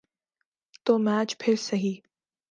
تو میچ پھر سہی۔